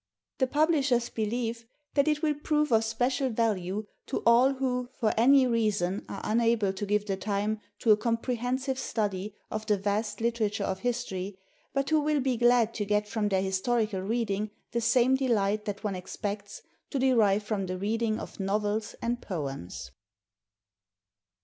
The publishers beheve that it will prove of special value to all who for any reason are unable to give the time to a comprehensive study of the vast literature of history, but who will be glad to get from their historical reading the same delight that one ex pects to derive from the reading of novels and poems.